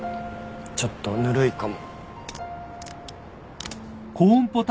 ちょっとぬるいかも。